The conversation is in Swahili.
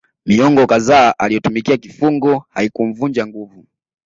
Miongo kadhaa aliyotumikia kifungo haikumvunja nguvu